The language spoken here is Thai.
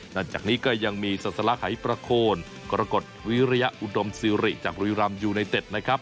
หลังจากนี้ก็ยังมีศาสลักหายประโคนกรกฎวิริยอุดมซิริจากบุรีรำยูไนเต็ดนะครับ